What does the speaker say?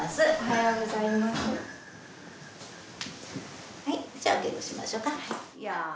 はいじゃあお稽古しましょか。